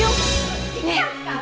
ini kita sedang makan malam